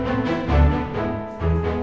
kujak jadi penasaran